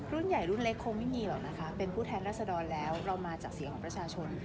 รุ่นใหญ่รุ่นเล็กคงไม่มีหรอกนะคะเป็นผู้แทนรัศดรแล้วเรามาจากเสียงของประชาชน